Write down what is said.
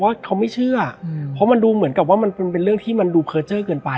เพราะว่าเขาไม่เชื่ออืมเพราะมันดูเหมือนกับว่ามันเป็นเป็นเรื่องที่มันดูเผลอเจอร์เกินไปอ่ะ